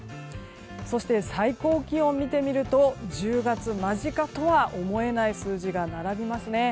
そして、最高気温を見てみると１０月間近とは思えない数字が並びますね。